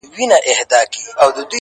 • توپان راغی او د ټولو مړه سول غړي ,